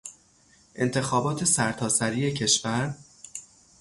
انتخابات سرتاسری کشور